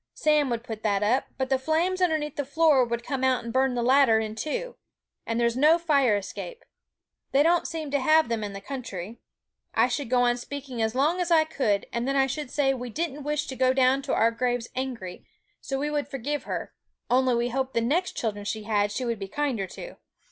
Sam would put that up, but the flames underneath the floor would come out and burn the ladder in two; and there's no fire escape! They don't seem to have them in the country. I should go on speaking as long as I could, and then I should say we didn't wish to go down to our graves angry, so we would forgive her, only we hoped the next children she had she would be kinder to.